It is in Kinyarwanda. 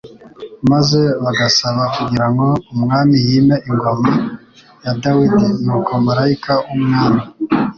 maze bagasaba kugira ngo Umwami yime ingoma ya Dawidi "Nuko Malayika w'Umwami